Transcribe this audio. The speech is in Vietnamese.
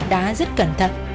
đã rất cẩn thận